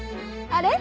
あれ？